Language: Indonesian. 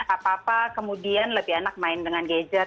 gak apa apa kemudian lebih enak main dengan gadget